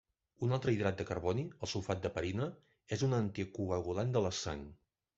Un altre hidrat de carboni, el sulfat d'heparina, és un anticoagulant de la sang.